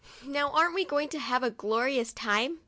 " Now, aren't we going to have a glorious time?